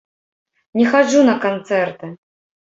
Не хаджу на канцэрты.